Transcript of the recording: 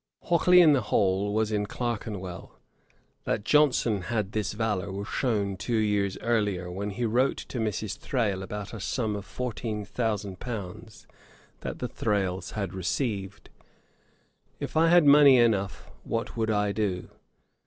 Hockley in the Hole was in Clerkenwell. That Johnson had this valour was shewn two years earlier, when he wrote to Mrs. Thrale about a sum of £14,000 that the Thrales had received: 'If I had money enough, what would I do?